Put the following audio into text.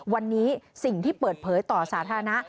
วันนี้สิ่งที่เปิดเผยต่อสาธารณะ